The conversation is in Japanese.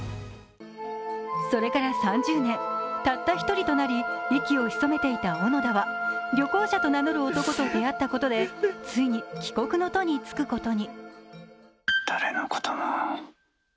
それから３０年、たった１人となり息を潜めていた小野田は旅行者と名乗る男と出会ったことで、ついに帰国の途につくことに。